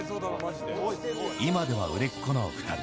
今では売れっ子の２人。